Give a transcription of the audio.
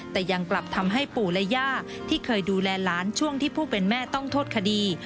แต่ยังกลับทำให้ปู่และย่าที่เคยดูแลหลานช่วงที่ผู้เป็นแม่ต้องโทษคดี